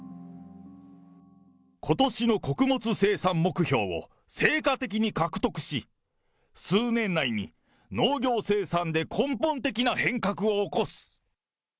ことしの穀物生産目標を成果的に獲得し、数年内に農業生産で根本的な変革を起こす。